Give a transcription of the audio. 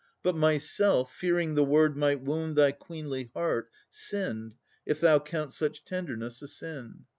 But myself, Fearing the word might wound thy queenly heart, Sinned, if thou count such tenderness a sin.